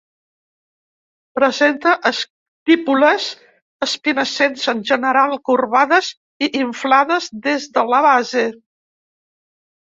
Presenta estípules espinescents, en general corbades i inflades des de la base.